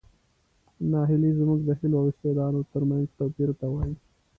ناهیلي زموږ د هیلو او استعدادونو ترمنځ توپیر ته وایي.